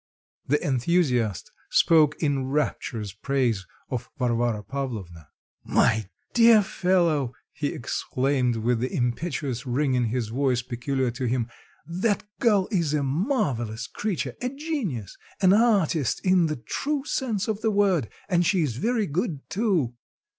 The enthusiast spoke in rapturous praise of Varvara Pavlovna. "My dear fellow," he exclaimed with the impetuous ring in his voice peculiar to him, "that girl is a marvelous creature, a genius, an artist in the true sense of the word, and she is very good too."